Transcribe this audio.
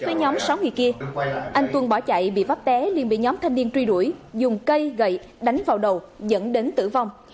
với nhóm sáu người kia anh tuân bỏ chạy bị vắt té liền bị nhóm thanh niên truy đuổi dùng cây gậy đánh vào đầu dẫn đến tử vong